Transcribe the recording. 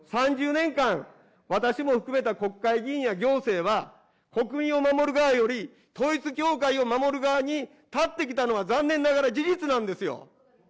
３０年間、私も含めた国会議員や行政は国民を守る側より、統一教会を守る側に立ってきたのは残念ながら事実なんですよ。